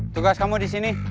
tugas kamu di sini